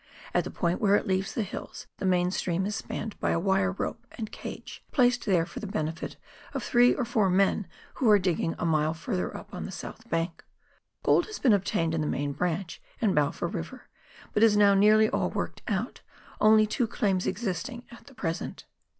At the point where it leaves the hills the main stream is spanned by a wire rope and cage, placed there for the benefit of three or fjur men, who are digging a mile further up on the south bank. Gold has been obtained in the main branch and Balfour River, but is now nearly all worked out^ only two claims existing at the present.